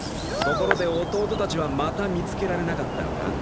ところで弟たちはまた見つけられなかったのか？